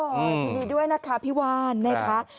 ยินดีด้วยนะคะพี่ว่านนะคะ